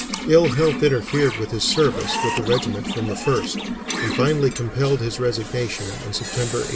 Ill health interfered with his service with the regiment from the first, and finally compelled his resignation in September, 1863.